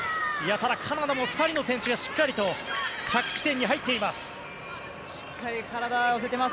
ただ、カナダも２人の選手がしっかりと着地点に入っています。